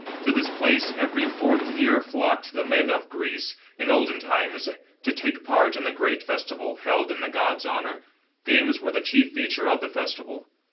To this place every fourth year flocked the men of Greece, in olden times, to take part in the great festival, held in the god's honour. Games were the chief feature of the festival.